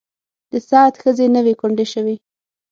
د سعد ښځې نه وې کونډې شوې.